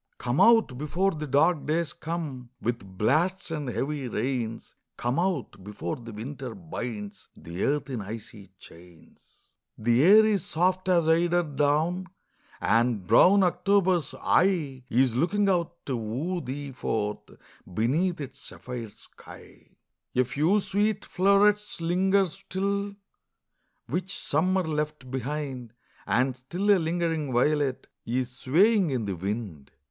Come out, before the dark days come, With blasts and heavy rains : Come out, before the winter binds The earth in icy chains. The air is soft as eider down ; And brown October's eye Is looking out to woo thee forth Beneath its sapphire sky. AN AUTUMN INVITATION. 115 A few sweet flow'rets linger still, Which Summer left behind ; And still a lingering violet Is swaying in the wind.